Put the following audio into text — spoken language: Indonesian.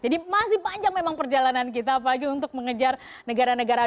jadi masih panjang memang perjalanan kita apalagi untuk mengejar negara negara